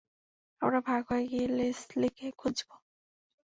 আমরা ভাগ হয়ে গিয়ে লেসলিকে খুঁজব।